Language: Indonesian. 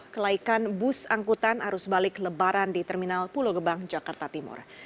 kelaikan bus angkutan arus balik lebaran di terminal pulau gebang jakarta timur